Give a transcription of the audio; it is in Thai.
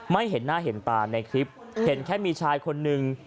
เห็นหน้าเห็นตาในคลิปเห็นแค่มีชายคนนึง